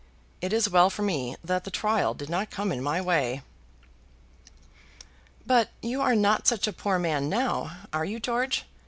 It is well for me that the trial did not come in my way." "But you are not such a very poor man now, are you, George?